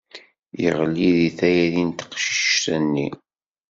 Yeɣli deg tayri n teqcict-nni.